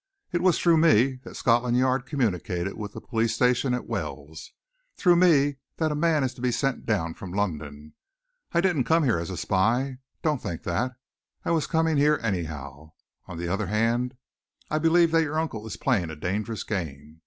It was through me that Scotland Yard communicated with the police station at Wells, through me that a man is to be sent down from London. I didn't come here as a spy don't think that; I was coming here, anyhow. On the other hand, I believe that your uncle is playing a dangerous game.